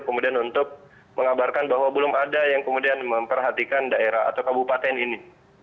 kemudian untuk mengabarkan bahwa belum ada yang kemudian memperhatikan daerah atau kabupaten ini